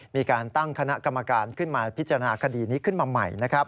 มีการตั้งคณะกรรมการพิจารณาคดีนี้ขึ้นมาใหม่